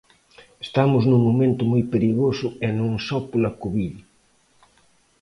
Estamos nun momento moi perigoso e non só pola Covid.